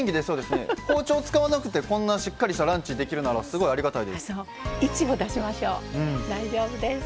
包丁使わなくてこんなしっかりしたランチできるならすごいありがたいです。